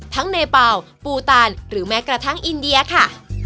ทั้งเนปาลปูตาลหรือแม่กระทั้งอินเดียค่ะ